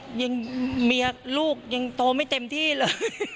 อร่อยยังมีลูกยังโตไม่เต็มที่เลย